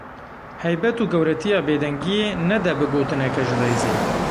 Heybet û gewretiya bêdengiyê nede bi gotineke ji rêzê.